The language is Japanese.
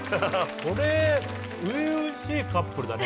これ初々しいカップルだね。